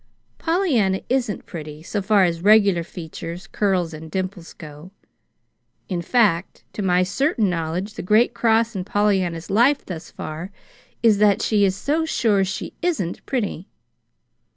Pollyanna isn't pretty, so far as regular features, curls, and dimples go. In fact, to my certain knowledge the great cross in Pollyanna's life thus far is that she is so sure she isn't pretty.